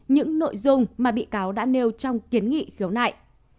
những nội dung mà bị cáo đã nêu trong kiến nghị khiếu nại